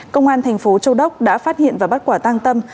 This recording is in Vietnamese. công an tp châu đốc đã phát hiện và bắt quả tàng tâm